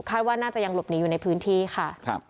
ว่าน่าจะยังหลบหนีอยู่ในพื้นที่ค่ะ